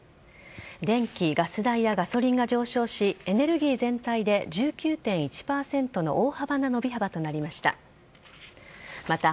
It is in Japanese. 電気・ガス代やガソリンが上昇しエネルギー全体で１９．１％の大幅な伸び幅となりました。